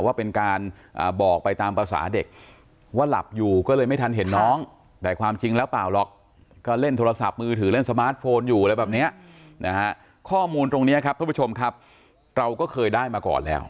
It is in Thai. ว่าเป็นการบอกไปตามภาษาเด็กว่าหลับอยู่ก็เลยไม่ทันเห็นน้องแต่ความจริงแล้วเปล่าหรอกก็เล่นโทรศัพท์มือถือเล่นสมาร์ทโฟนอยู่อะไรแบบเนี้ยนะฮะข้อมูลตรงนี้ครับทุกผู้ชมครับเราก็เคยได้มาก่อนแล้ว